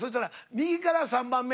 右から３番目。